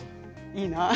いいな。